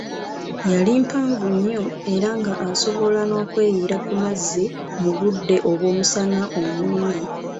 Yali mpanvu nnyo era nga asobola n'okweyiira ku mazzi mu budde obw'omusana omungi.